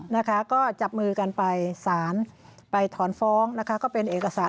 นะคะก็จับมือกันไปสารไปถอนฟ้องนะคะก็เป็นเอกสาร